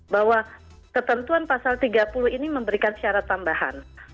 bahwa ketentuan pasal tiga puluh ini memberikan syarat tambahan